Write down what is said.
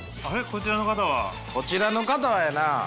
こちらの方はやな